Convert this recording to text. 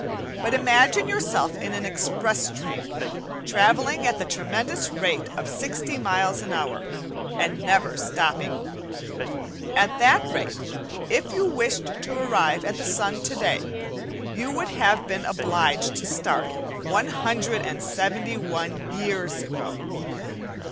But imagine yourself in an express train, travelling at the tremendous rate of sixty miles an hour and never stopping. At that rate, if you wished to arrive at the sun today you would have been obliged to start 171 years ago.